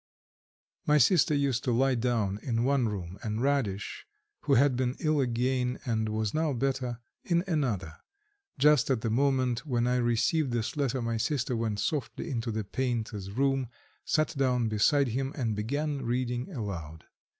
My sister used to lie down in one room, and Radish, who had been ill again and was now better, in another. Just at the moment when I received this letter my sister went softly into the painter's room, sat down beside him and began reading aloud.